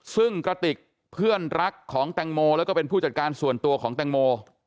ซึ่งกระติกเพื่อนรักของแตงโมแล้วก็เป็นผู้จัดการส่วนตัวของแตงโม